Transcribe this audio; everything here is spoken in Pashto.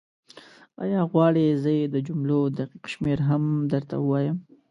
ایا غواړې زه یې د جملو دقیق شمېر هم درته ووایم؟